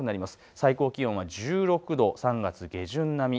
最高気温は１６度、３月下旬並み。